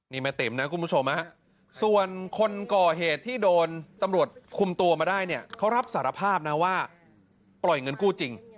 นี่แม่ติ๋มนะคุณผู้ชมส่วนคนก่อเหตุที่โดนตำรวจคุมตัวมาได้เนี่ยเขารับสารภาพนะว่าปล่อยเงินกู้จริง